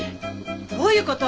どういうこと？